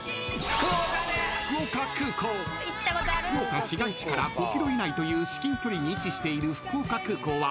［福岡市街地から５ｋｍ以内という至近距離に位置している福岡空港は］